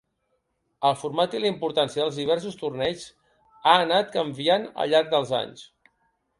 El format i la importància dels diversos torneigs ha anat canviant al llarg dels anys.